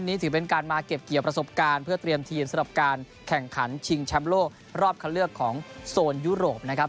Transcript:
ถือเป็นการมาเก็บเกี่ยวประสบการณ์เพื่อเตรียมทีมสำหรับการแข่งขันชิงแชมป์โลกรอบคันเลือกของโซนยุโรปนะครับ